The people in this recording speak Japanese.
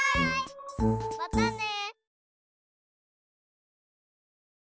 またね！